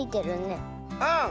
うん！